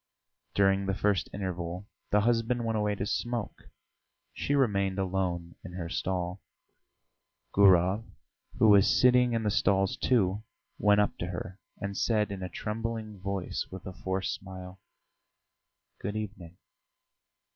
During the first interval the husband went away to smoke; she remained alone in her stall. Gurov, who was sitting in the stalls, too, went up to her and said in a trembling voice, with a forced smile: "Good evening."